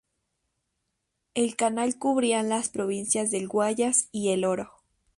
El canal cubrían las provincias del Guayas y El Oro.